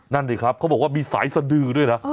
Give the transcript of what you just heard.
นั่นดิครับเขาบอกว่ามีสายสดือด้วยนะ